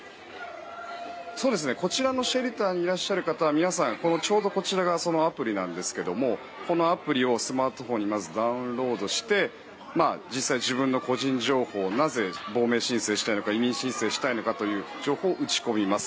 こちらのシェルターにいらっしゃる方はちょうどこちらがそのアプリなんですけどもこのアプリをスマートフォンにダウンロードして実際、自分の個人情報をなぜ亡命申請したいのか移民申請したいのかという情報を打ち込みます。